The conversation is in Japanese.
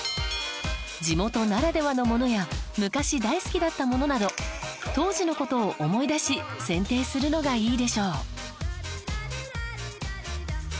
地元ならではのものや昔大好きだったものなど当時の事を思い出し選定するのがいいでしょう。